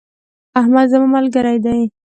احمد زما ملګری دی.